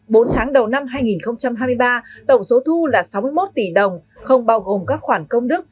bốn tháng đầu năm hai nghìn hai mươi ba tổng số thu là sáu mươi một tỷ đồng không bao gồm các khoản công đức